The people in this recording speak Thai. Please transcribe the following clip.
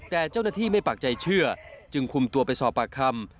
แต่เจ้าหน้าที่ไม่ปากใจเชื่อจึงคุมตัวไปสอบปากคำ